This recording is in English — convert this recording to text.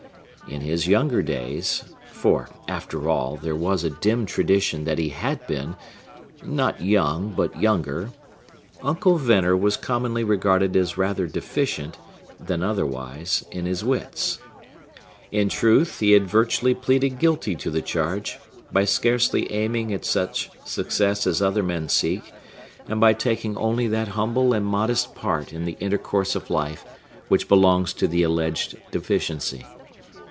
In his younger days—for, after all, there was a dim tradition that he had been, not young, but younger—Uncle Venner was commonly regarded as rather deficient, than otherwise, in his wits. In truth he had virtually pleaded guilty to the charge, by scarcely aiming at such success as other men seek, and by taking only that humble and modest part in the intercourse of life which belongs to the alleged deficiency.